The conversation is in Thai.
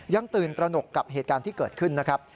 ยังตื่นตระหนกกับเหตุการณ์ที่เกิดขึ้นนะครับ